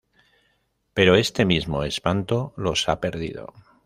Pero este mismo espanto los ha perdido.